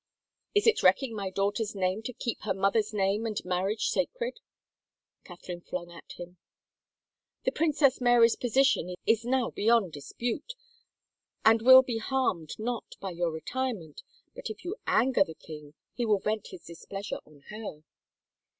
"" Is it wrecking my daughter's name, to keep her motheris name and marriage sacred?" Catherine flung at him. " The Princess Mary's position is now beyond dispute, i8o F THE QUEEN SPEAKS and will be harmed not by your retirement. But if you anger the king he will vent his displeasure on her."